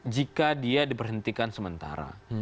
jika dia diperhentikan sementara